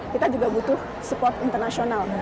kita juga butuh support internasional